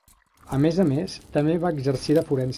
A més a més, també va exercir de forense.